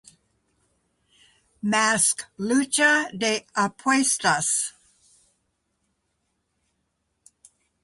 Mask "Lucha de Apuestas".